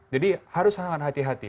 jadi harus sangat hati hati